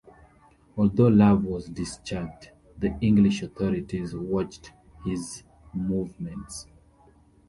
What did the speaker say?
Although Love was discharged, the English authorities watched his movements.